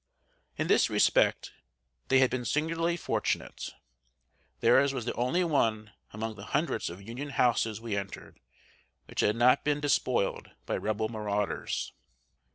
In this respect they had been singularly fortunate. Theirs was the only one among the hundreds of Union houses we entered, which had not been despoiled by Rebel marauders.